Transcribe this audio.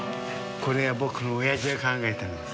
これは僕の親父が考えたんです。